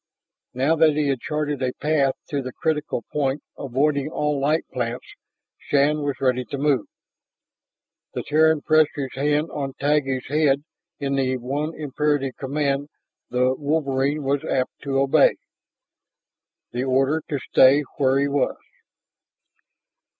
Now that he had charted a path to the crucial point avoiding all light plants, Shann was ready to move. The Terran pressed his hand on Taggi's head in the one imperative command the wolverine was apt to obey the order to stay where he was.